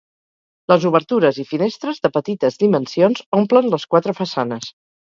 Les obertures i finestres, de petites dimensions, omplen les quatre façanes.